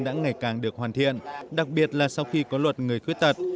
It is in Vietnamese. đã ngày càng được hoàn thiện đặc biệt là sau khi có luật người khuyết tật